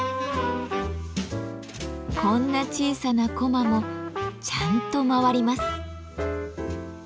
こんな小さなこまもちゃんと回ります。